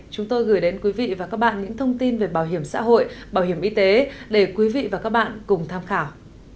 chúng tôi gửi đến quý vị và các bạn những thông tin về bảo hiểm xã hội bảo hiểm y tế để quý vị và các bạn cùng tham khảo